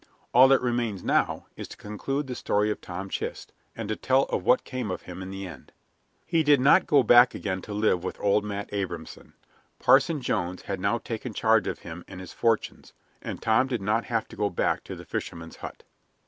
All that remains now is to conclude the story of Tom Chist, and to tell of what came of him in the end. He did not go back again to live with old Matt Abrahamson. Parson Jones had now taken charge of him and his fortunes, and Tom did not have to go back to the fisherman's hut.